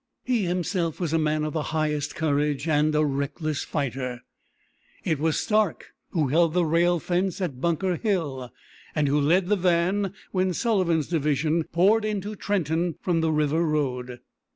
He himself was a man of the highest courage and a reckless fighter. It was Stark who held the railfence at Bunker Hill, and who led the van when Sullivan's division poured into Trenton from the river road.